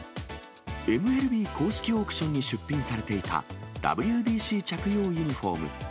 ＭＬＢ公式オークションに出品されていたＷＢＣ着用ユニホーム。